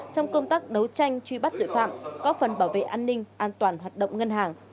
trong công tác đấu tranh truy bắt tội phạm góp phần bảo vệ an ninh an toàn hoạt động ngân hàng